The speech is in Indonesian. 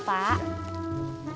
bayi pakai aku nih